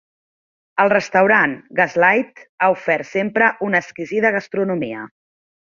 El restaurant Gaslight ha ofert sempre una exquisida gastronomia.